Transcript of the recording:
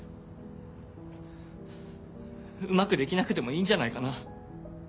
うまくできなくてもいいんじゃないかな？